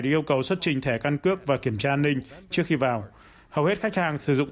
được yêu cầu xuất trình thẻ căn cước và kiểm tra an ninh trước khi vào hầu hết khách hàng sử dụng